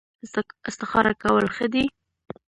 استخاره کول ښه دي